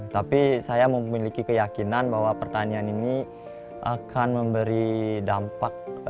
tapi saya memiliki keyakinan bahwa pertanian ini akan memberi dampak